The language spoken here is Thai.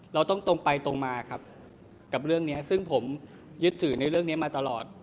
เราต้องตรงไปตรงมาครับกับเรื่องนี้ซึ่งผมยึดถือในเรื่องนี้มาตลอด